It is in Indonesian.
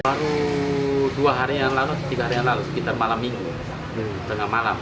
baru dua hari yang lalu tiga hari yang lalu sekitar malam minggu tengah malam